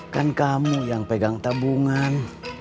kan kamu yang pegang tabungan